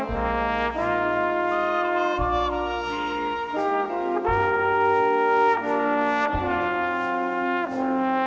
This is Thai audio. โปรดติดตามต่อไป